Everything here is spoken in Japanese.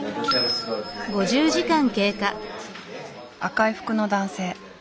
赤い服の男性。